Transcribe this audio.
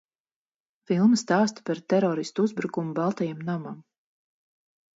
Filma stāsta par teroristu uzbrukumu Baltajam namam.